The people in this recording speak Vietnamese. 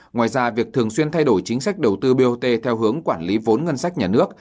ngoài ra việc thường xuyên thay đổi chính sách đầu tư bot theo hướng quản lý vốn ngân sách nhà nước